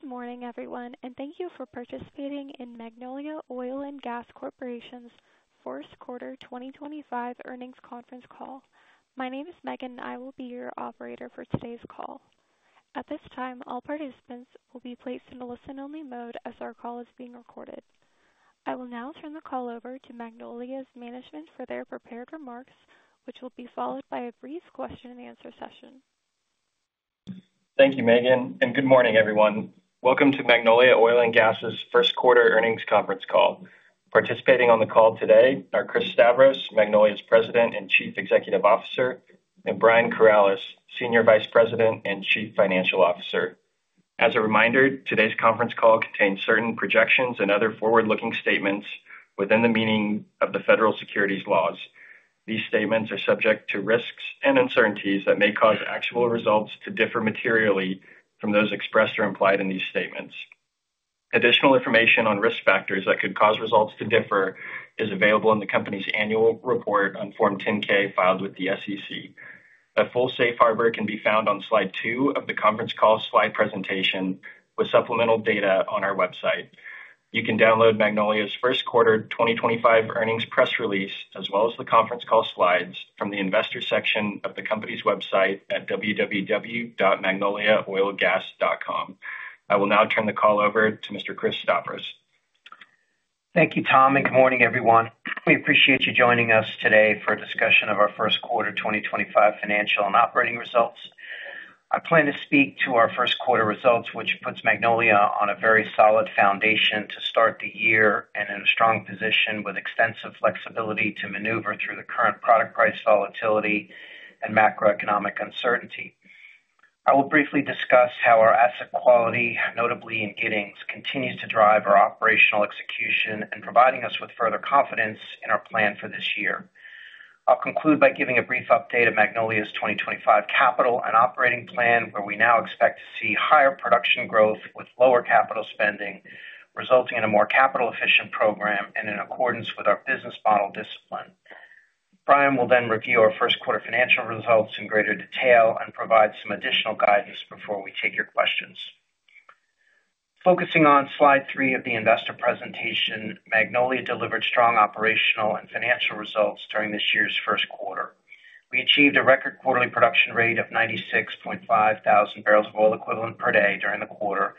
Good morning, everyone, and thank you for participating in Magnolia Oil & Gas Corporation's Fourth Quarter 2025 Earnings Conference call. My name is Megan, and I will be your operator for today's call. At this time, all participants will be placed in a listen-only mode as our call is being recorded. I will now turn the call over to Magnolia's management for their prepared remarks, which will be followed by a brief question-and-answer session. Thank you, Megan, and good morning, everyone. Welcome to Magnolia Oil & Gas' first quarter earnings conference call. Participating on the call today are Chris Stavros, Magnolia's President and Chief Executive Officer; and Brian Corales, Senior Vice President and Chief Financial Officer. As a reminder, today's conference call contains certain projections and other forward-looking statements within the meaning of the federal securities laws. These statements are subject to risks and uncertainties that may cause actual results to differ materially from those expressed or implied in these statements. Additional information on risk factors that could cause results to differ is available in the company's annual report on Form 10-K filed with the SEC. A full safe harbor can be found on slide two of the conference call slide presentation with supplemental data on our website. You can download Magnolia's First Quarter 2025 Earnings Press Release, as well as the conference call slides, from the Investor section of the company's website at www.magnoliaoilgas.com. I will now turn the call over to Mr. Chris Stavros. Thank you, Tom, and good morning, everyone. We appreciate you joining us today for a discussion of our First Quarter 2025 financial and operating results. I plan to speak to our First Quarter results, which puts Magnolia on a very solid foundation to start the year and in a strong position with extensive flexibility to maneuver through the current product price volatility and macroeconomic uncertainty. I will briefly discuss how our asset quality, notably in Giddings, continues to drive our operational execution and providing us with further confidence in our plan for this year. I'll conclude by giving a brief update of Magnolia's 2025 capital and operating plan, where we now expect to see higher production growth with lower capital spending, resulting in a more capital-efficient program and in accordance with our business model discipline. Brian will then review our first quarter financial results in greater detail and provide some additional guidance before we take your questions. Focusing on slide three of the investor presentation, Magnolia delivered strong operational and financial results during this year's first quarter. We achieved a record quarterly production rate of 96.5 thousand barrels of oil equivalent per day during the quarter,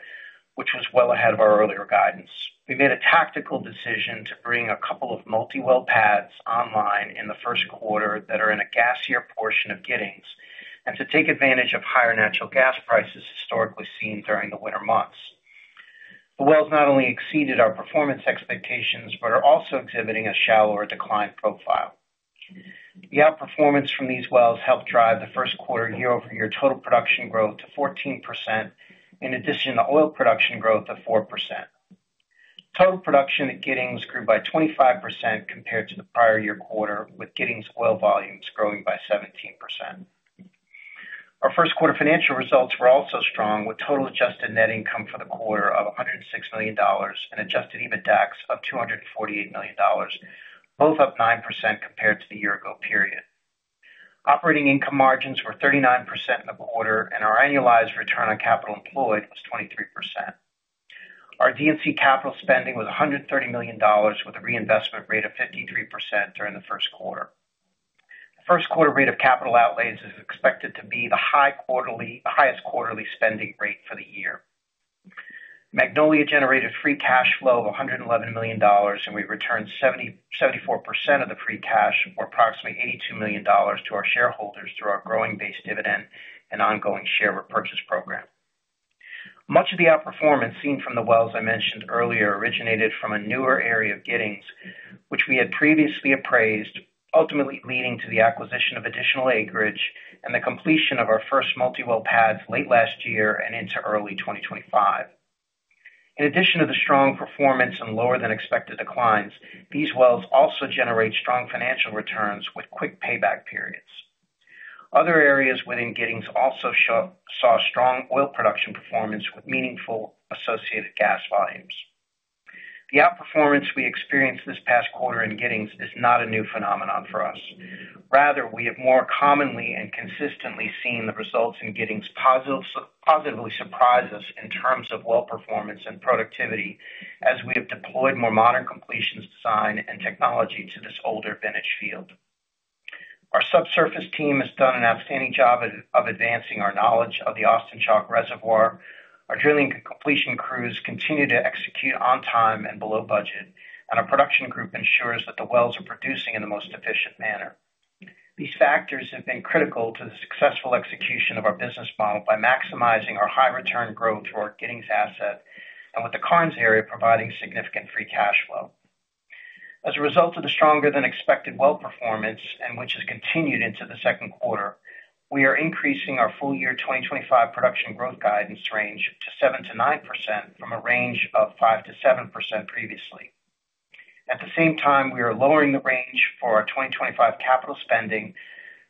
which was well ahead of our earlier guidance. We made a tactical decision to bring a couple of multi-well pads online in the first quarter that are in a gassier portion of Giddings and to take advantage of higher natural gas prices historically seen during the winter months. The wells not only exceeded our performance expectations but are also exhibiting a shallower decline profile. The outperformance from these wells helped drive the first quarter year-over-year total production growth to 14%, in addition to oil production growth of 4%. Total production at Giddings grew by 25% compared to the prior year quarter, with Giddings oil volumes growing by 17%. Our first quarter financial results were also strong, with total adjusted net income for the quarter of $106 million and adjusted EBITDA of $248 million, both up 9% compared to the year-ago period. Operating income margins were 39% in the quarter, and our annualized return on capital employed was 23%. Our D&C capital spending was $130 million, with a reinvestment rate of 53% during the first quarter. The first quarter rate of capital outlays is expected to be the highest quarterly spending rate for the year. Magnolia generated free cash flow of $111 million, and we returned 74% of the free cash, or approximately $82 million, to our shareholders through our growing base dividend and ongoing share repurchase program. Much of the outperformance seen from the wells I mentioned earlier originated from a newer area of Giddings, which we had previously appraised, ultimately leading to the acquisition of additional acreage and the completion of our first multi-well pads late last year and into early 2024. In addition to the strong performance and lower-than-expected declines, these wells also generate strong financial returns with quick payback periods. Other areas within Giddings also saw strong oil production performance with meaningful associated gas volumes. The outperformance we experienced this past quarter in Giddings is not a new phenomenon for us. Rather, we have more commonly and consistently seen the results in Giddings positively surprise us in terms of well performance and productivity as we have deployed more modern completions design and technology to this older vintage field. Our subsurface team has done an outstanding job of advancing our knowledge of the Austin Chalk reservoir. Our drilling and completion crews continue to execute on time and below budget, and our production group ensures that the wells are producing in the most efficient manner. These factors have been critical to the successful execution of our business model by maximizing our high return growth for our Giddings asset and with the Carnes area providing significant free cash flow. As a result of the stronger-than-expected well performance, which has continued into the second quarter, we are increasing our full year 2025 production growth guidance range to 7%-9% from a range of 5%-7% previously. At the same time, we are lowering the range for our 2025 capital spending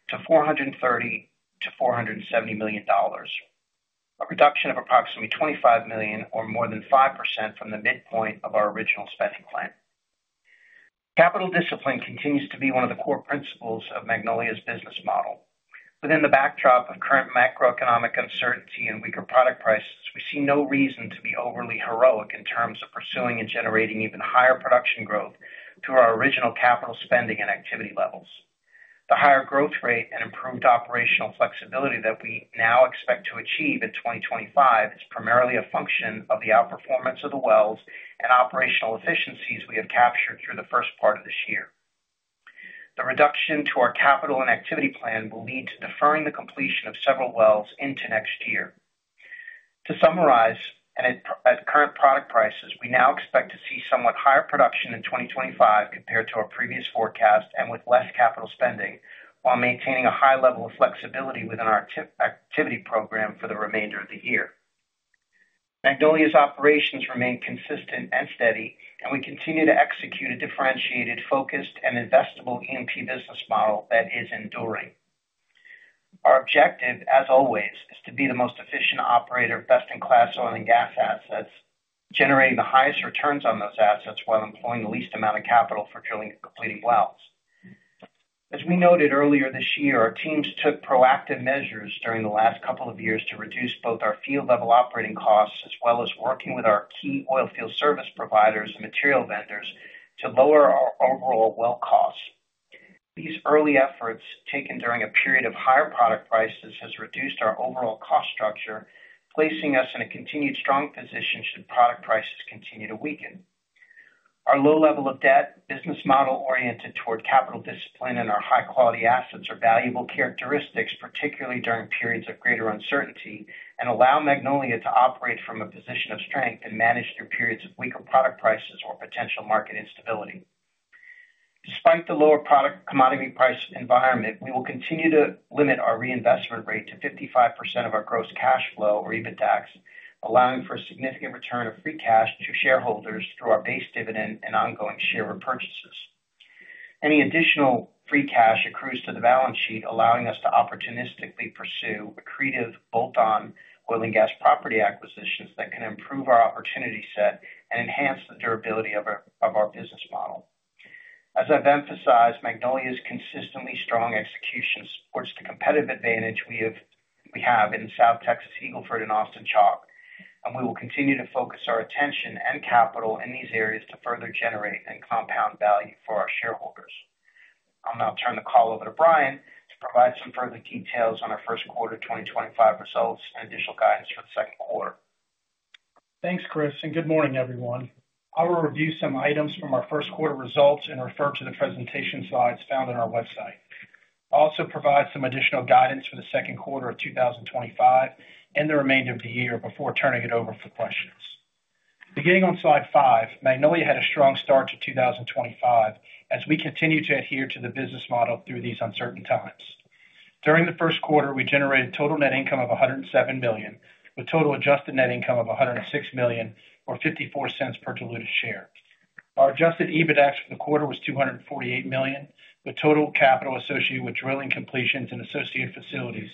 to $430 million-$470 million, a reduction of approximately $25 million, or more than 5% from the midpoint of our original spending plan. Capital discipline continues to be one of the core principles of Magnolia's business model. Within the backdrop of current macroeconomic uncertainty and weaker product prices, we see no reason to be overly heroic in terms of pursuing and generating even higher production growth through our original capital spending and activity levels. The higher growth rate and improved operational flexibility that we now expect to achieve in 2025 is primarily a function of the outperformance of the wells and operational efficiencies we have captured through the first part of this year. The reduction to our capital and activity plan will lead to deferring the completion of several wells into next year. To summarize, at current product prices, we now expect to see somewhat higher production in 2025 compared to our previous forecast and with less capital spending, while maintaining a high level of flexibility within our activity program for the remainder of the year. Magnolia's operations remain consistent and steady, and we continue to execute a differentiated, focused, and investable E&P business model that is enduring. Our objective, as always, is to be the most efficient operator of best-in-class oil and gas assets, generating the highest returns on those assets while employing the least amount of capital for drilling and completing wells. As we noted earlier this year, our teams took proactive measures during the last couple of years to reduce both our field-level operating costs as well as working with our key oil field service providers and material vendors to lower our overall well costs. These early efforts, taken during a period of higher product prices, have reduced our overall cost structure, placing us in a continued strong position should product prices continue to weaken. Our low level of debt, business model oriented toward capital discipline, and our high-quality assets are valuable characteristics, particularly during periods of greater uncertainty, and allow Magnolia to operate from a position of strength and manage through periods of weaker product prices or potential market instability. Despite the lower product commodity price environment, we will continue to limit our reinvestment rate to 55% of our gross cash flow or EBITDA, allowing for a significant return of free cash to shareholders through our base dividend and ongoing share repurchases. Any additional free cash accrues to the balance sheet, allowing us to opportunistically pursue accretive bolt-on oil and gas property acquisitions that can improve our opportunity set and enhance the durability of our business model. As I've emphasized, Magnolia's consistently strong execution supports the competitive advantage we have in South Texas Eagle Ford and Austin Chalk, and we will continue to focus our attention and capital in these areas to further generate and compound value for our shareholders. I'll now turn the call over to Brian to provide some further details on our first quarter 2025 results and additional guidance for the second quarter. Thanks, Chris, and good morning, everyone. I will review some items from our first quarter results and refer to the presentation slides found on our website. I'll also provide some additional guidance for the second quarter of 2025 and the remainder of the year before turning it over for questions. Beginning on slide five, Magnolia had a strong start to 2025 as we continue to adhere to the business model through these uncertain times. During the first quarter, we generated total net income of $107 million, with total adjusted net income of $106 million, or $0.54 per diluted share. Our adjusted EBITDAX for the quarter was $248 million, with total capital associated with drilling, completions, and associated facilities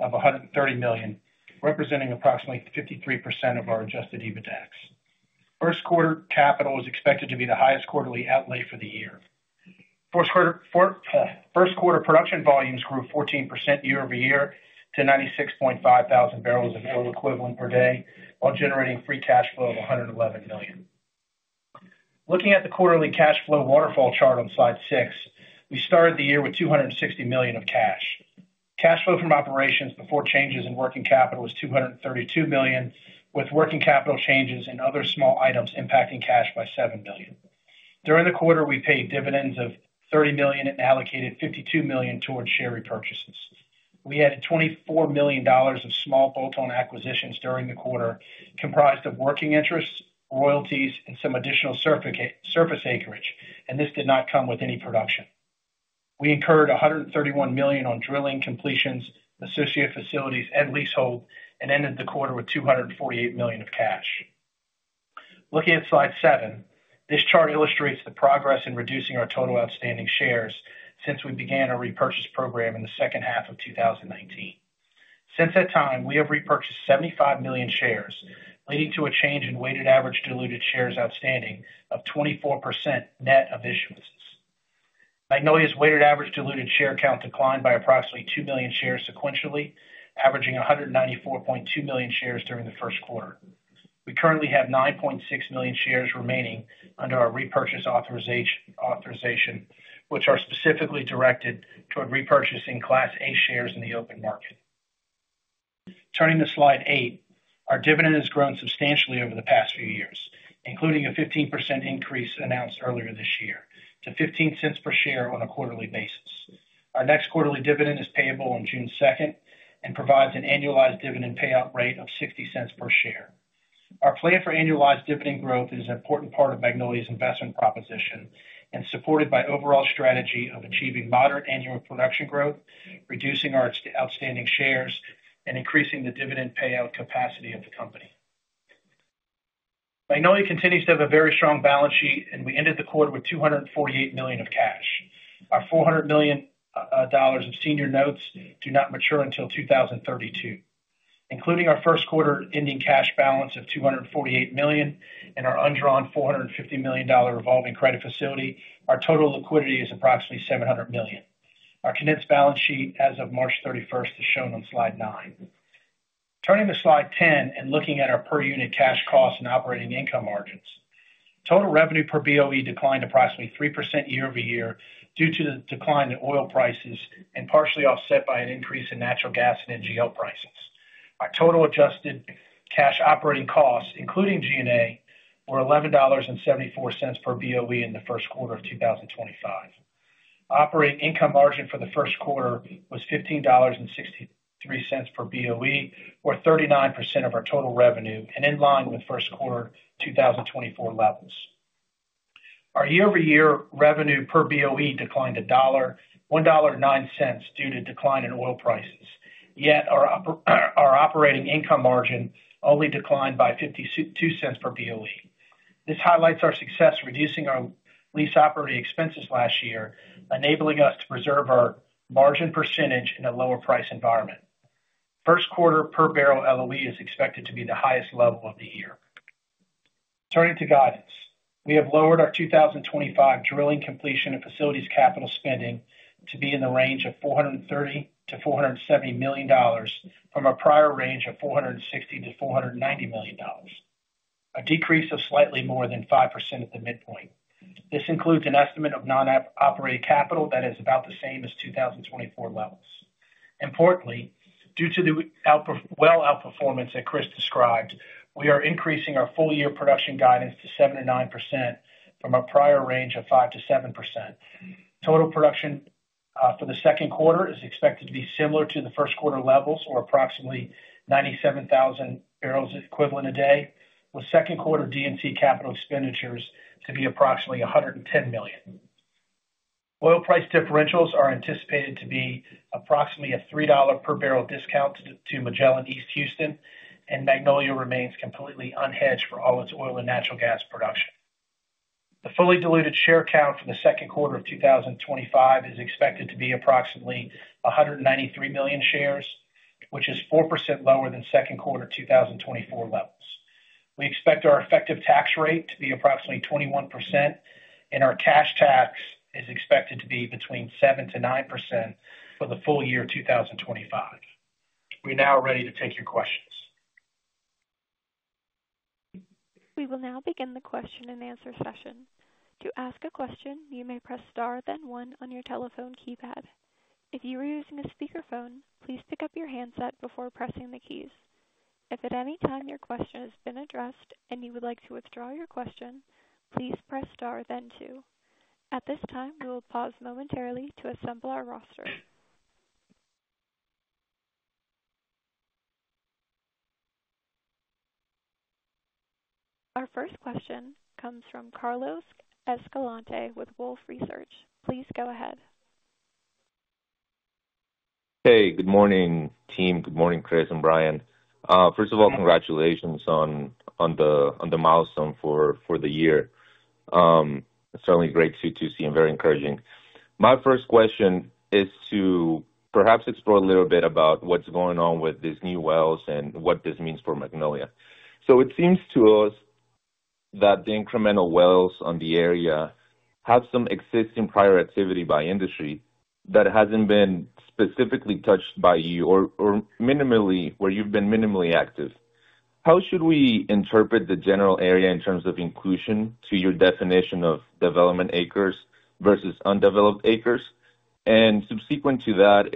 of $130 million, representing approximately 53% of our adjusted EBITDAX. First quarter capital was expected to be the highest quarterly outlay for the year. First quarter production volumes grew 14% year-over-year to 96.5 thousand barrels of oil equivalent per day, while generating free cash flow of $111 million. Looking at the quarterly cash flow waterfall chart on slide six, we started the year with $260 million of cash. Cash flow from operations before changes in working capital was $232 million, with working capital changes and other small items impacting cash by $7 million. During the quarter, we paid dividends of $30 million and allocated $52 million towards share repurchases. We had $24 million of small bolt-on acquisitions during the quarter, comprised of working interests, royalties, and some additional surface acreage, and this did not come with any production. We incurred $131 million on drilling completions, associated facilities, and leasehold, and ended the quarter with $248 million of cash. Looking at slide seven, this chart illustrates the progress in reducing our total outstanding shares since we began our repurchase program in the second half of 2019. Since that time, we have repurchased 75 million shares, leading to a change in weighted average diluted shares outstanding of 24% net of issuances. Magnolia's weighted average diluted share count declined by approximately 2 million shares sequentially, averaging 194.2 million shares during the first quarter. We currently have 9.6 million shares remaining under our repurchase authorization, which are specifically directed toward repurchasing Class A shares in the open market. Turning to slide eight, our dividend has grown substantially over the past few years, including a 15% increase announced earlier this year to $0.15 per share on a quarterly basis. Our next quarterly dividend is payable on June 2 and provides an annualized dividend payout rate of $0.60 per share. Our plan for annualized dividend growth is an important part of Magnolia's investment proposition and supported by the overall strategy of achieving moderate annual production growth, reducing our outstanding shares, and increasing the dividend payout capacity of the company. Magnolia continues to have a very strong balance sheet, and we ended the quarter with $248 million of cash. Our $400 million of senior notes do not mature until 2032. Including our first quarter ending cash balance of $248 million and our undrawn $450 million revolving credit facility, our total liquidity is approximately $700 million. Our condensed balance sheet as of March 31 is shown on slide nine. Turning to slide ten and looking at our per unit cash costs and operating income margins, total revenue per BOE declined approximately 3% year-over-year due to the decline in oil prices and partially offset by an increase in natural gas NGL prices. Our total adjusted cash operating costs, including G&A, were $11.74 per BOE in the first quarter of 2025. Operating income margin for the first quarter was $15.63 per BOE, or 39% of our total revenue, and in line with first quarter 2024 levels. Our year-over-year revenue per BOE declined $1.09 due to decline in oil prices, yet our operating income margin only declined by $0.52 per BOE. This highlights our success reducing our lease operating expenses last year, enabling us to preserve our margin percentage in a lower price environment. First quarter per barrel LOE is expected to be the highest level of the year. Turning to guidance, we have lowered our 2025 drilling completion and facilities capital spending to be in the range of $430 million-$470 million from our prior range of $460 million-$490 million, a decrease of slightly more than 5% at the midpoint. This includes an estimate of non-operated capital that is about the same as 2024 levels. Importantly, due to the well outperformance that Chris described, we are increasing our full year production guidance to 7%-9% from our prior range of 5%-7%. Total production for the second quarter is expected to be similar to the first quarter levels, or approximately 97,000 bbl equivalent a day, with second quarter D&C capital expenditures to be approximately $110 million. Oil price differentials are anticipated to be approximately a $3 per barrel discount to Magellan East Houston, and Magnolia remains completely unhedged for all its oil and natural gas production. The fully diluted share count for the second quarter of 2025 is expected to be approximately 193 million shares, which is 4% lower than second quarter 2024 levels. We expect our effective tax rate to be approximately 21%, and our cash tax is expected to be between 7-9% for the full year 2025. We're now ready to take your questions. We will now begin the question and answer session. To ask a question, you may press star, then one on your telephone keypad. If you are using a speakerphone, please pick up your handset before pressing the keys. If at any time your question has been addressed and you would like to withdraw your question, please press star, then two. At this time, we will pause momentarily to assemble our roster. Our first question comes from Carlos Escalante with Wolfe Research. Please go ahead. Hey, good morning, team. Good morning, Chris and Brian. First of all, congratulations on the milestone for the year. It is certainly great to see and very encouraging. My first question is to perhaps explore a little bit about what is going on with these new wells and what this means for Magnolia. It seems to us that the incremental wells on the area have some existing prior activity by industry that has not been specifically touched by you or where you have been minimally active. How should we interpret the general area in terms of inclusion to your definition of development acres versus undeveloped acres? Subsequent to that,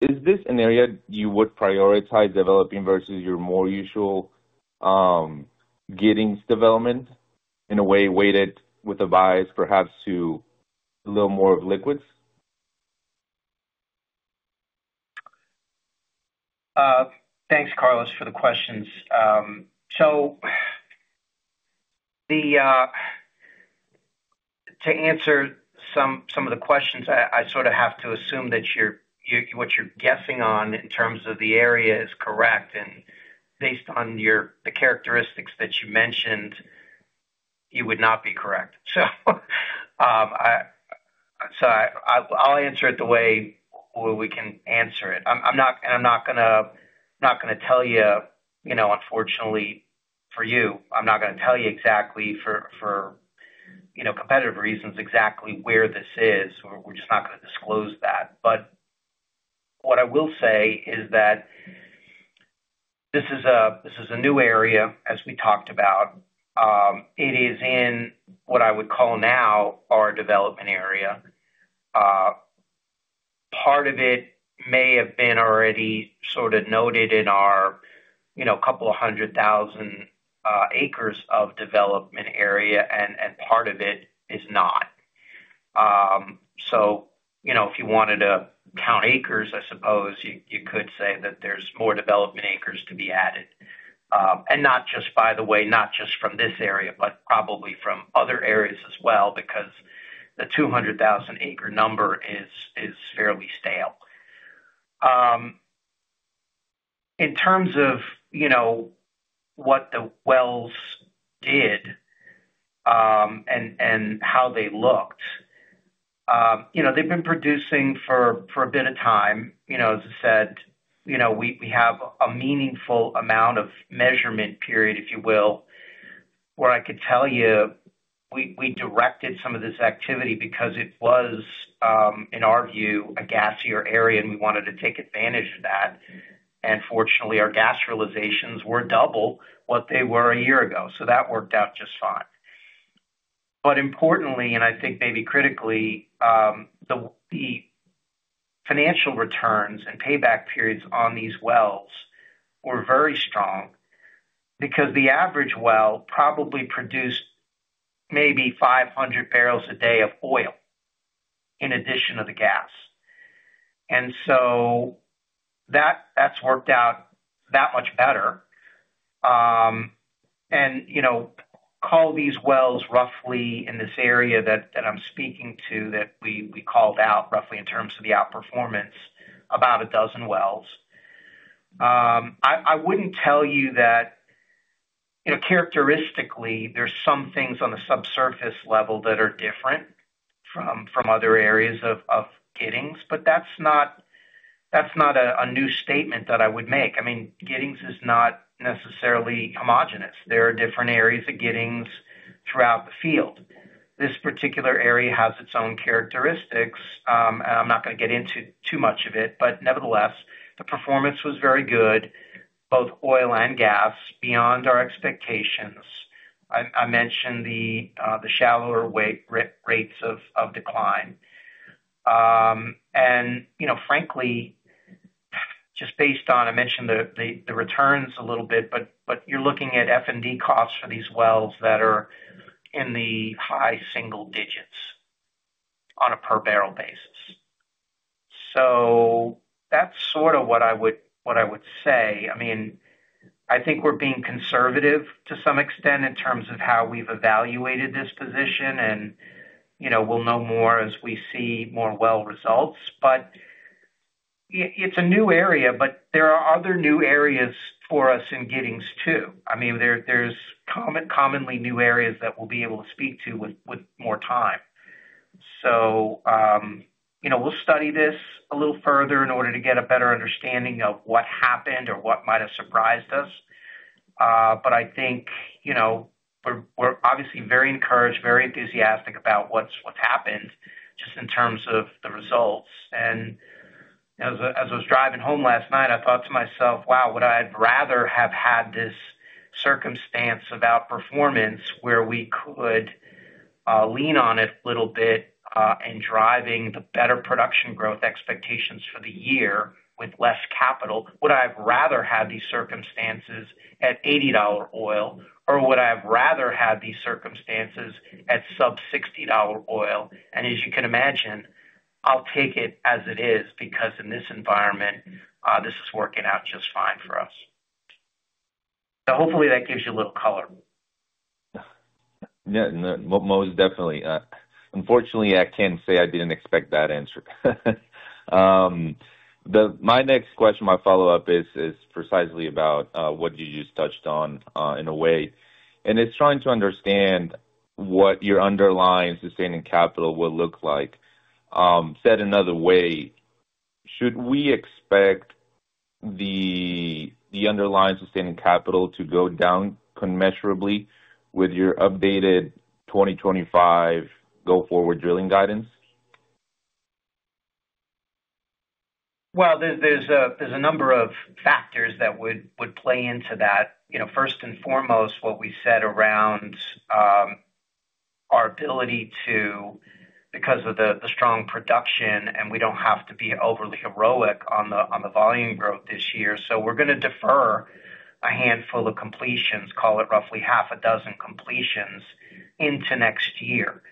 is this an area you would prioritize developing versus your more usual Giddings development in a way weighted with a bias perhaps to a little more of liquids? Thanks, Carlos, for the questions. To answer some of the questions, I sort of have to assume that what you're guessing on in terms of the area is correct. Based on the characteristics that you mentioned, you would not be correct. I'll answer it the way we can answer it. I'm not going to tell you, unfortunately for you, I'm not going to tell you exactly for competitive reasons exactly where this is. We're just not going to disclose that. What I will say is that this is a new area, as we talked about. It is in what I would call now our development area. Part of it may have been already sort of noted in our couple of hundred thousand acres of development area, and part of it is not. If you wanted to count acres, I suppose you could say that there's more development acres to be added. Not just, by the way, not just from this area, but probably from other areas as well, because the 200,000 acre number is fairly stale. In terms of what the wells did and how they looked, they've been producing for a bit of time. As I said, we have a meaningful amount of measurement period, if you will, where I could tell you we directed some of this activity because it was, in our view, a gassier area, and we wanted to take advantage of that. Fortunately, our gas realizations were double what they were a year ago, so that worked out just fine. Importantly, and I think maybe critically, the financial returns and payback periods on these wells were very strong because the average well probably produced maybe 500 bbl a day of oil in addition to the gas. That has worked out that much better. Call these wells roughly in this area that I am speaking to that we called out roughly in terms of the outperformance about a dozen wells. I would not tell you that characteristically, there are some things on the subsurface level that are different from other areas of Giddings, but that is not a new statement that I would make. I mean, Giddings is not necessarily homogenous. There are different areas of Giddings throughout the field. This particular area has its own characteristics. I am not going to get into too much of it, but nevertheless, the performance was very good, both oil and gas, beyond our expectations. I mentioned the shallower rates of decline. Frankly, just based on I mentioned the returns a little bit, but you're looking at F&D costs for these wells that are in the high single digits on a per barrel basis. That's sort of what I would say. I mean, I think we're being conservative to some extent in terms of how we've evaluated this position, and we'll know more as we see more well results. It's a new area, but there are other new areas for us in Giddings too. I mean, there's commonly new areas that we'll be able to speak to with more time. We'll study this a little further in order to get a better understanding of what happened or what might have surprised us. I think we're obviously very encouraged, very enthusiastic about what's happened just in terms of the results. As I was driving home last night, I thought to myself, "Wow, would I have rather have had this circumstance of outperformance where we could lean on it a little bit and driving the better production growth expectations for the year with less capital? Would I have rather had these circumstances at $80 oil, or would I have rather had these circumstances at sub-$60 oil?" As you can imagine, I'll take it as it is because in this environment, this is working out just fine for us. Hopefully that gives you a little color. Yeah, most definitely. Unfortunately, I can't say I didn't expect that answer. My next question, my follow-up is precisely about what you just touched on in a way. It is trying to understand what your underlying sustaining capital will look like. Said another way, should we expect the underlying sustaining capital to go down commensurably with your updated 2025 go forward drilling guidance? There is a number of factors that would play into that. First and foremost, what we said around our ability to, because of the strong production, and we do not have to be overly heroic on the volume growth this year. We're going to defer a handful of completions, call it roughly half a dozen completions into next year.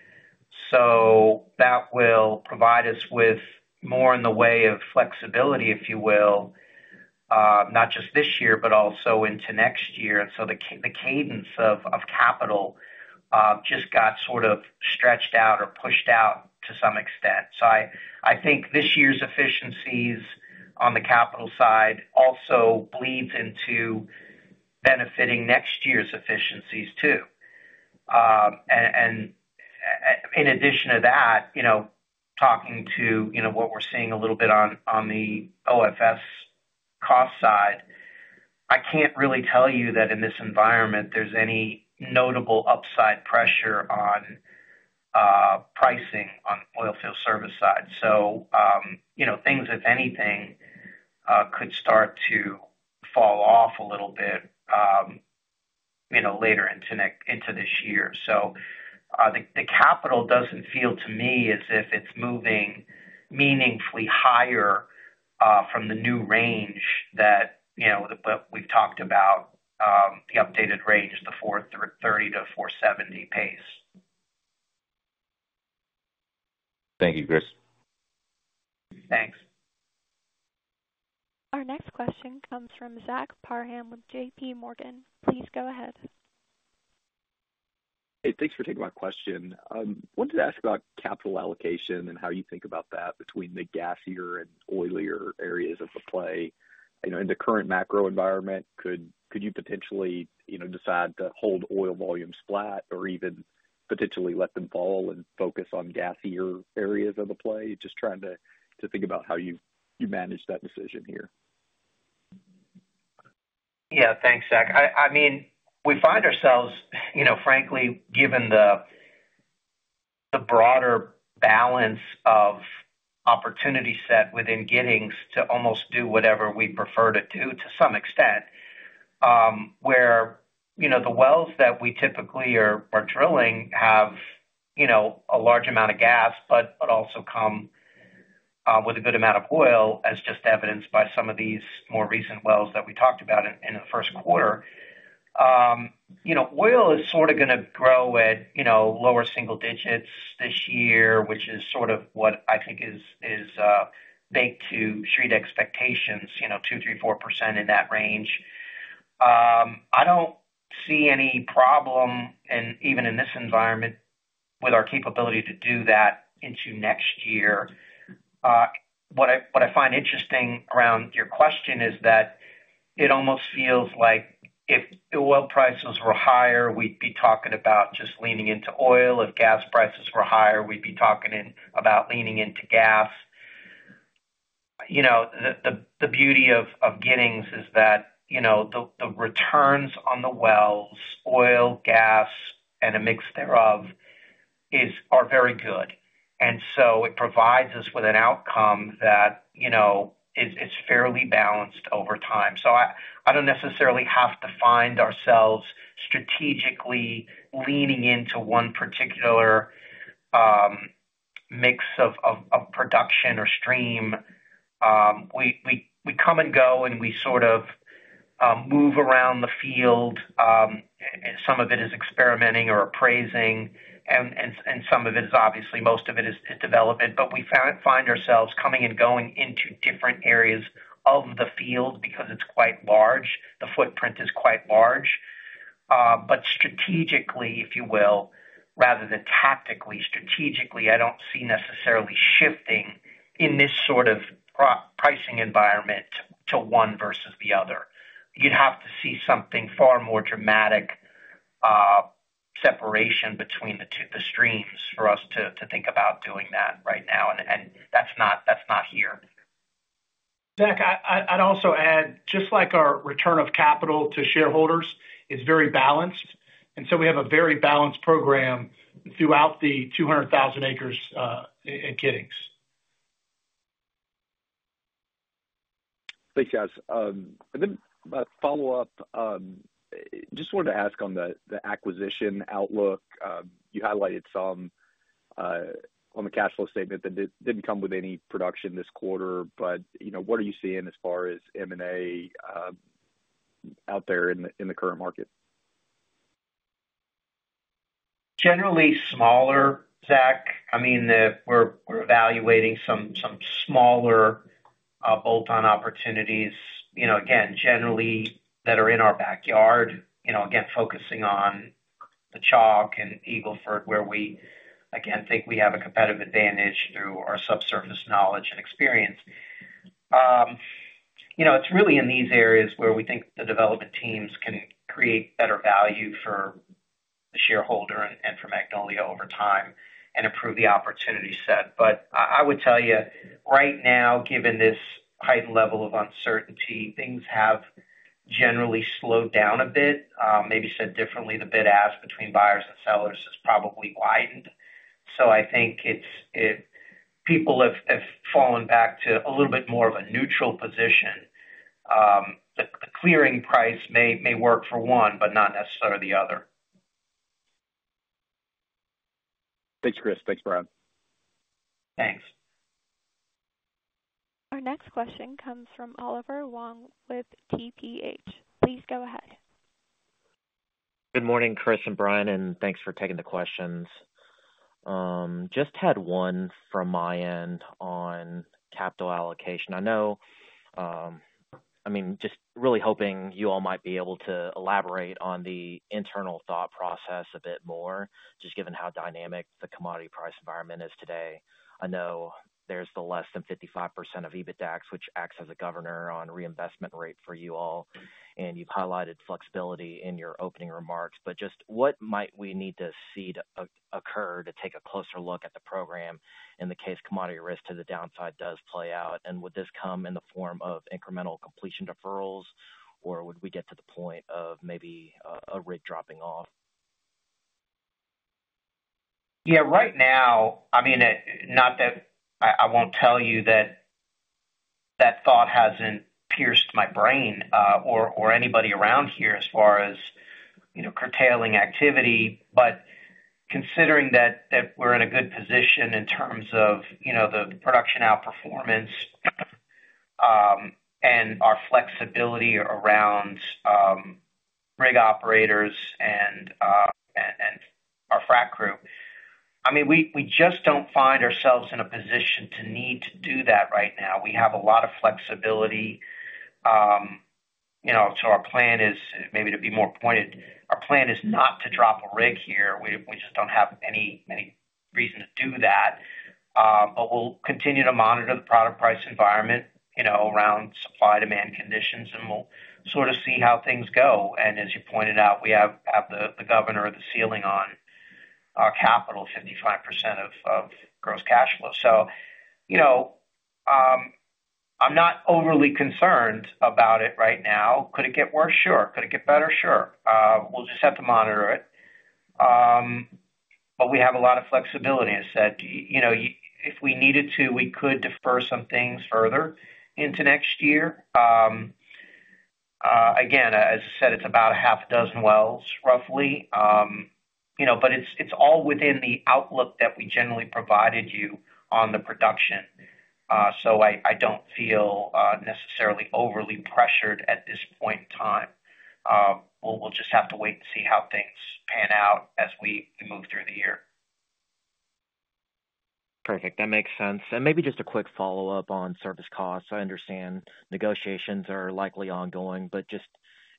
That will provide us with more in the way of flexibility, if you will, not just this year, but also into next year. The cadence of capital just got sort of stretched out or pushed out to some extent. I think this year's efficiencies on the capital side also bleeds into benefiting next year's efficiencies too. In addition to that, talking to what we're seeing a little bit on the OFS cost side, I can't really tell you that in this environment there's any notable upside pressure on pricing on the oil field service side. Things, if anything, could start to fall off a little bit later into this year. The capital doesn't feel to me as if it's moving meaningfully higher from the new range that we've talked about, the updated range, the $430-$470 pace. Thank you, Chris. Thanks. Our next question comes from Zach Parham with JPMorgan. Please go ahead. Hey, thanks for taking my question. I wanted to ask about capital allocation and how you think about that between the gassier and oilier areas of the play. In the current macro environment, could you potentially decide to hold oil volumes flat or even potentially let them fall and focus on gassier areas of the play? Just trying to think about how you manage that decision here. Yeah, thanks, Zach. I mean, we find ourselves, frankly, given the broader balance of opportunity set within Giddings to almost do whatever we prefer to do to some extent, where the wells that we typically are drilling have a large amount of gas, but also come with a good amount of oil, as just evidenced by some of these more recent wells that we talked about in the first quarter. Oil is sort of going to grow at lower single digits this year, which is sort of what I think is baked to street expectations, 2%-4% in that range. I do not see any problem, and even in this environment, with our capability to do that into next year. What I find interesting around your question is that it almost feels like if oil prices were higher, we would be talking about just leaning into oil. If gas prices were higher, we'd be talking about leaning into gas. The beauty of Giddings is that the returns on the wells, oil, gas, and a mix thereof, are very good. It provides us with an outcome that is fairly balanced over time. I don't necessarily have to find ourselves strategically leaning into one particular mix of production or stream. We come and go, and we sort of move around the field. Some of it is experimenting or appraising, and some of it is obviously most of it is development. We find ourselves coming and going into different areas of the field because it's quite large. The footprint is quite large. Strategically, if you will, rather than tactically, strategically, I don't see necessarily shifting in this sort of pricing environment to one versus the other. You'd have to see something far more dramatic separation between the streams for us to think about doing that right now. That is not here. Zach, I'd also add, just like our return of capital to shareholders, it's very balanced. We have a very balanced program throughout the 200,000 acres at Giddings. Thanks, guys. My follow-up, just wanted to ask on the acquisition outlook. You highlighted some on the cash flow statement that did not come with any production this quarter. What are you seeing as far as M&A out there in the current market? Generally smaller, Zach. I mean, we're evaluating some smaller bolt-on opportunities, again, generally that are in our backyard, again, focusing on the chalk and Eagle Ford, where we again think we have a competitive advantage through our subsurface knowledge and experience. It's really in these areas where we think the development teams can create better value for the shareholder and for Magnolia over time and improve the opportunity set. I would tell you, right now, given this heightened level of uncertainty, things have generally slowed down a bit. Maybe said differently, the bid-ask between buyers and sellers has probably widened. I think people have fallen back to a little bit more of a neutral position. The clearing price may work for one, but not necessarily the other. Thanks, Chris. Thanks, Brian. Thanks. Our next question comes from Oliver Huang with TPH. Please go ahead. Good morning, Chris and Brian, and thanks for taking the questions. Just had one from my end on capital allocation. I mean, just really hoping you all might be able to elaborate on the internal thought process a bit more, just given how dynamic the commodity price environment is today. I know there's the less than 55% of EBITDAX, which acts as a governor on reinvestment rate for you all. You've highlighted flexibility in your opening remarks. Just what might we need to see to occur to take a closer look at the program in the case commodity risk to the downside does play out? Would this come in the form of incremental completion deferrals, or would we get to the point of maybe a rig dropping off? Yeah, right now, I mean, not that I won't tell you that that thought hasn't pierced my brain or anybody around here as far as curtailing activity. Considering that we're in a good position in terms of the production outperformance and our flexibility around rig operators and our frac crew, I mean, we just don't find ourselves in a position to need to do that right now. We have a lot of flexibility. Our plan is, maybe to be more pointed, our plan is not to drop a rig here. We just don't have any reason to do that. We'll continue to monitor the product price environment around supply-demand conditions, and we'll sort of see how things go. As you pointed out, we have the governor of the ceiling on our capital, 55% of gross cash flow. I'm not overly concerned about it right now. Could it get worse? Sure. Could it get better? Sure. We'll just have to monitor it. We have a lot of flexibility, as I said. If we needed to, we could defer some things further into next year. Again, as I said, it's about half a dozen wells, roughly. It's all within the outlook that we generally provided you on the production. I don't feel necessarily overly pressured at this point in time. We'll just have to wait and see how things pan out as we move through the year. Perfect. That makes sense. Maybe just a quick follow-up on service costs. I understand negotiations are likely ongoing, but just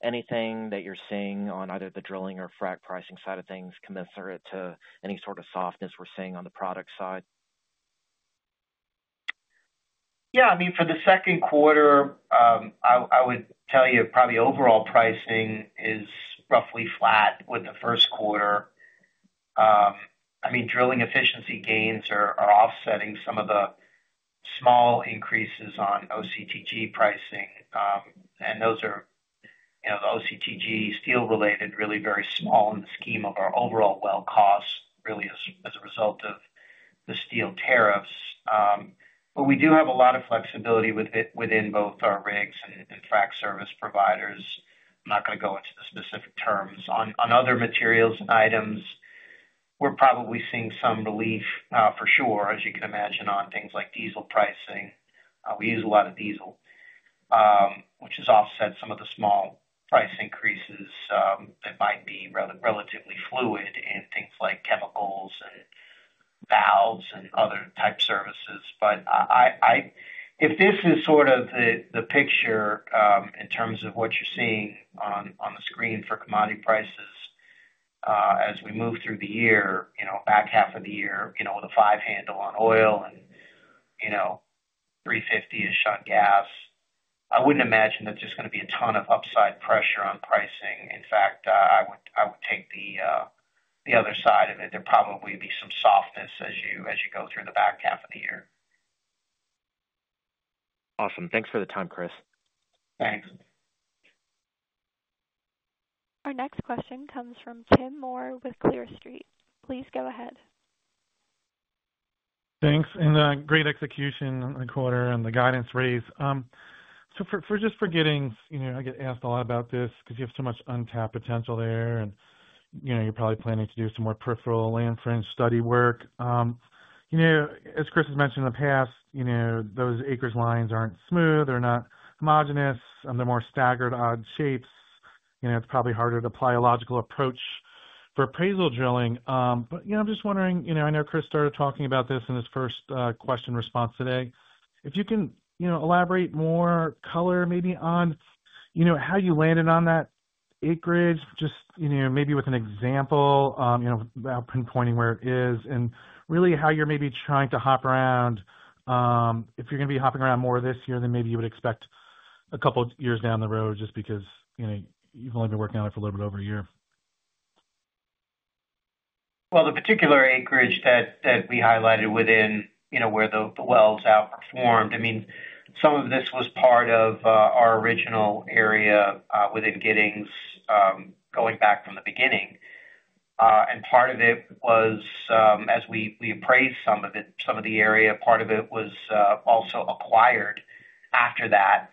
anything that you're seeing on either the drilling or frac pricing side of things commensurate to any sort of softness we're seeing on the product side? Yeah. I mean, for the second quarter, I would tell you probably overall pricing is roughly flat with the first quarter. I mean, drilling efficiency gains are offsetting some of the small increases on OCTG pricing. And those are the OCTG steel-related, really very small in the scheme of our overall well cost, really as a result of the steel tariffs. But we do have a lot of flexibility within both our rigs and frac service providers. I'm not going to go into the specific terms. On other materials and items, we're probably seeing some relief for sure, as you can imagine, on things like diesel pricing. We use a lot of diesel, which has offset some of the small price increases that might be relatively fluid in things like chemicals and valves and other type services. If this is sort of the picture in terms of what you're seeing on the screen for commodity prices as we move through the year, back half of the year with a five-handle on oil and $3.50-ish on gas, I wouldn't imagine that there's going to be a ton of upside pressure on pricing. In fact, I would take the other side of it. There'll probably be some softness as you go through the back half of the year. Awesome. Thanks for the time, Chris. Thanks. Our next question comes from Tim Moore with Clear Street. Please go ahead. Thanks. Great execution on the quarter and the guidance raise. Just for Giddings, I get asked a lot about this because you have so much untapped potential there, and you're probably planning to do some more peripheral land fringe study work. As Chris has mentioned in the past, those acres' lines aren't smooth. They're not homogenous. They're more staggered odd shapes. It's probably harder to apply a logical approach for appraisal drilling. I'm just wondering, I know Chris started talking about this in his first question-response today. If you can elaborate more color, maybe on how you landed on that acreage, just maybe with an example about pinpointing where it is and really how you're maybe trying to hop around. If you're going to be hopping around more this year, then maybe you would expect a couple of years down the road just because you've only been working on it for a little bit over a year. The particular acreage that we highlighted within where the wells outperformed, I mean, some of this was part of our original area within Giddings going back from the beginning. Part of it was, as we appraised some of the area, part of it was also acquired after that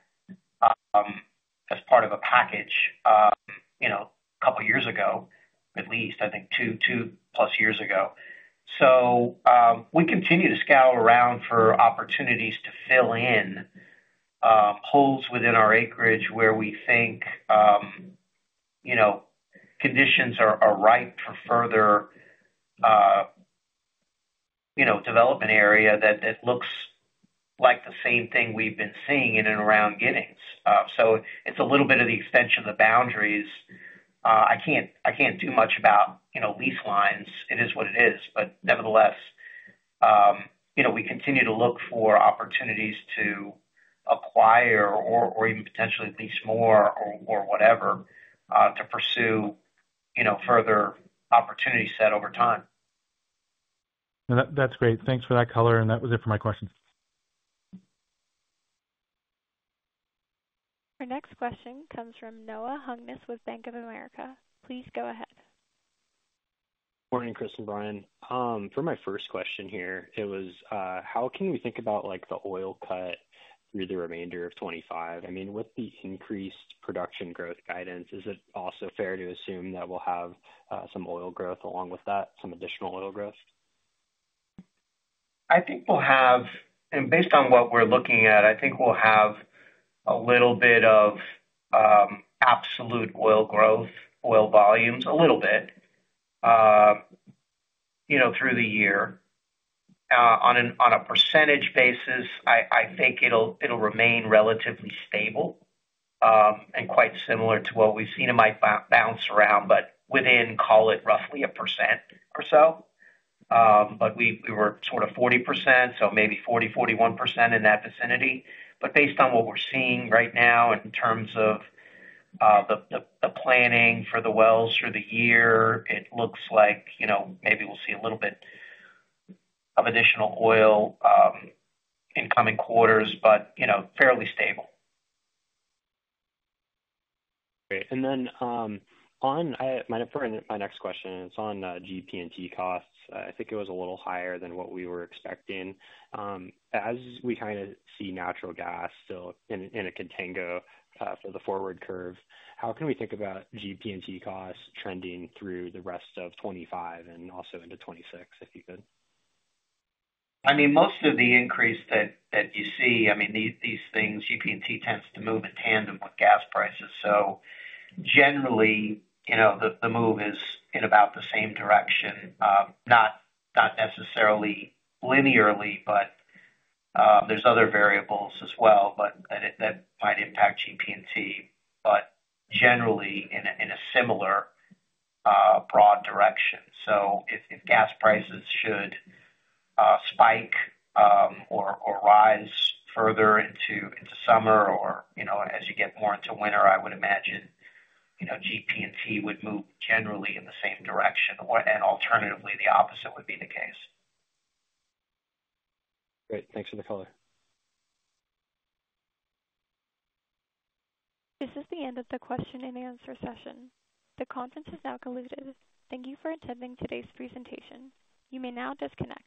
as part of a package a couple of years ago, at least, I think two-plus years ago. We continue to scour around for opportunities to fill in holes within our acreage where we think conditions are ripe for further development area that looks like the same thing we've been seeing in and around Giddings. It is a little bit of the extension of the boundaries. I can't do much about lease lines. It is what it is. Nevertheless, we continue to look for opportunities to acquire or even potentially lease more or whatever to pursue further opportunity set over time. That's great. Thanks for that color. That was it for my questions. Our next question comes from Noah Hungness with Bank of America. Please go ahead. Morning, Chris and Brian. For my first question here, it was, how can we think about the oil cut through the remainder of 2025? I mean, with the increased production growth guidance, is it also fair to assume that we'll have some oil growth along with that, some additional oil growth? I think we'll have, and based on what we're looking at, I think we'll have a little bit of absolute oil growth, oil volumes, a little bit through the year. On a percentage basis, I think it'll remain relatively stable and quite similar to what we've seen. It might bounce around, but within, call it roughly a percent or so. We were sort of 40%, so maybe 40%-41% in that vicinity. Based on what we're seeing right now in terms of the planning for the wells through the year, it looks like maybe we'll see a little bit of additional oil in coming quarters, but fairly stable. Great. On my next question, it's on GP&T costs. I think it was a little higher than what we were expecting. As we kind of see natural gas still in a contango for the forward curve, how can we think about GP&T costs trending through the rest of 2025 and also into 2026, if you could? I mean, most of the increase that you see, I mean, these things, GP&T tends to move in tandem with gas prices. Generally, the move is in about the same direction, not necessarily linearly, but there are other variables as well that might impact GP&T, but generally in a similar broad direction. If gas prices should spike or rise further into summer or as you get more into winter, I would imagine GP&T would move generally in the same direction. Alternatively, the opposite would be the case. Great. Thanks for the color. This is the end of the question-and-answer session. The conference is now concluded. Thank you for attending today's presentation. You may now disconnect.